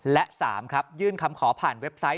และ๓ครับยื่นคำขอผ่านเว็บไซต์